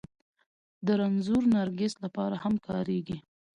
د رنځور نرګس لپاره هم کارېږي